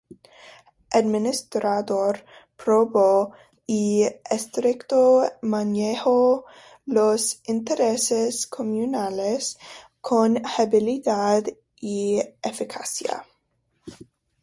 Administrador probo y estricto, manejo los intereses comunales con habilidad y eficacia.